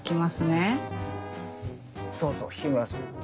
どうぞ日村さんも。